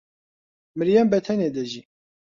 مریەم بەتەنێ دەژی.